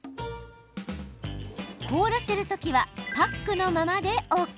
凍らせるときはパックのままでＯＫ。